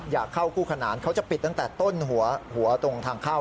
อยากเข้าคู่ขนานเขาจะปิดตั้งแต่ต้นหัวตรงทางเข้า